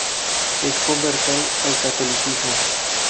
Es conversa al catolicismo.